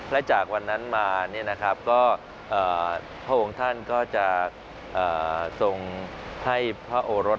และจากวันนั้นมานี่นะครับก็พระองค์ท่านก็จะทรงให้พระอวรด